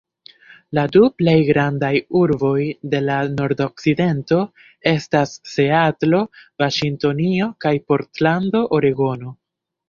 La du plej grandaj urboj de la nordokcidento estas Seatlo, Vaŝingtonio kaj Portlando, Oregono.